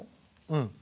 うん。